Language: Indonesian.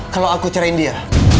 kalau aku cerain dia